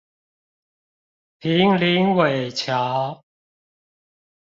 坪林尾橋